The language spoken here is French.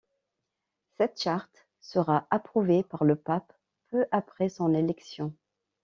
Cette charte sera approuvée par le pape peu après son élection.